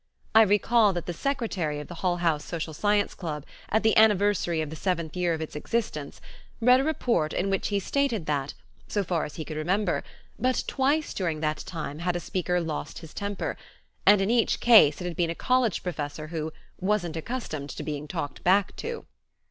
I recall that the secretary of the Hull House Social Science Club at the anniversary of the seventh year of its existence read a report in which he stated that, so far as he could remember, but twice during that time had a speaker lost his temper, and in each case it had been a college professor who "wasn't accustomed to being talked back to."